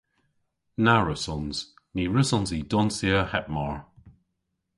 Na wrussons. Ny wrussons i donsya heb mar!